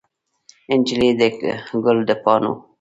نجلۍ د ګل د پاڼو